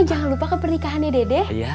jangan lupa ke pernikahan ya dedek